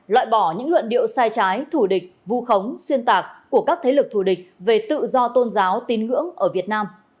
loại bỏ những luận điệu sai trái thủ địch vu khống xuyên tạc của các thế lực thù địch về tự do tôn giáo tin ngưỡng ở việt nam